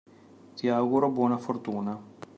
Ti auguro buona fortuna.